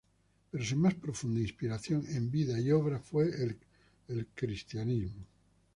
Pero su más profunda inspiración en vida y obra fue el cristianismo.